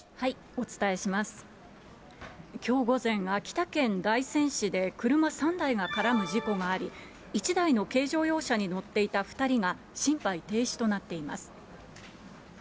きょう午前、秋田県大仙市で車３台が絡む事故があり、１台の軽乗用車に乗っていた２人が、心肺停止となっています。